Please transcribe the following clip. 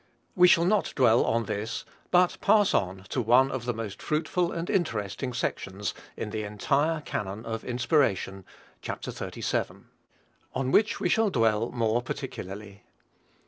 We shall not dwell on this, but pass on to one of the most fruitful and interesting sections in the entire canon of inspiration, viz.: CHAPTERS XXXVII L, On which we shall dwell more particularly.